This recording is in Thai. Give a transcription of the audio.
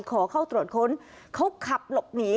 ขอเข้าตรวจค้นเขาขับหลบหนี